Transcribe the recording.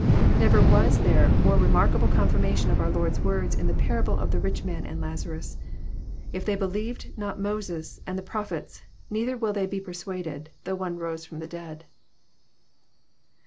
Never was there a more re markable confirmation of our Lord's words in the parable of the Bich Man and Lazarus, " If they believe not Moses and the Prophets, neither will they be pe: suaded, though one rose from the dead."